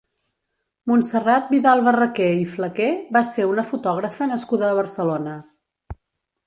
Montserrat Vidal-Barraquer i Flaquer va ser una fotògrafa nascuda a Barcelona.